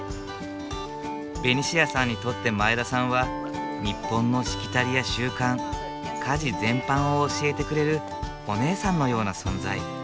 ベニシアさんにとって前田さんは日本のしきたりや習慣家事全般を教えてくれるお姉さんのような存在。